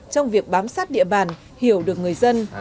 trong việc bám sát địa bàn hiểu được người dân